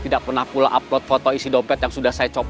dan butuh pengawalan